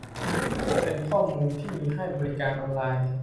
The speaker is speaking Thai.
เป็นข้อมูลที่มีให้บริการออนไลน์